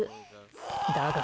だが。